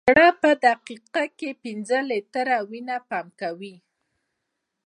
زړه په دقیقه کې پنځه لیټره وینه پمپ کوي.